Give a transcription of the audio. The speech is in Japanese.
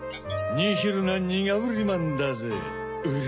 ニヒルなニガウリマンだぜウリ。